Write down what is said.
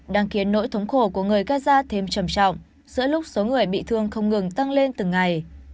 đang khiến nỗi thống khổ của người gaza thêm trầm trọng giữa lúc số người bị thương không ngừng tăng lên từng ngày